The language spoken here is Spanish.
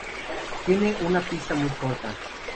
Tiene una pista muy corta.